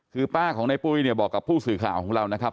คือป้าของในปุ้ยเนี่ยบอกกับผู้สื่อข่าวของเรานะครับ